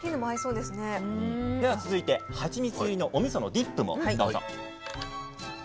では続いてハチミツ入りのおみそのディップもどうぞ。